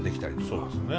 そうですね。